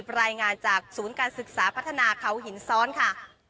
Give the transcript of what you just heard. รายงานจากศูนย์การศึกษาพัฒนาเขาหินซ้อนค่ะ